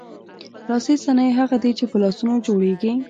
لاسي صنایع هغه دي چې په لاسونو جوړیږي.